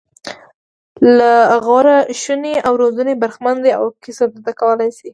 له غوره ښوونې او روزنې برخمن دي او کسب زده کولای شي.